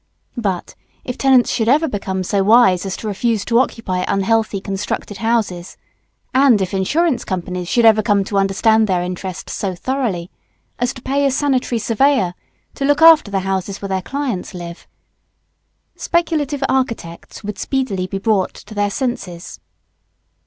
But, if tenants should ever become so wise as to refuse to occupy unhealthy constructed houses, and if Insurance Companies should ever come to understand their interest so thoroughly as to pay a Sanitary Surveyor to look after the houses where their clients live, speculative architects would speedily be brought to their senses.